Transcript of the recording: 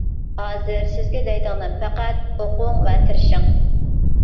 ھازىر سىزگە دەيدىغىنىم پەقەت: ئوقۇڭ ۋە تىرىشىڭ.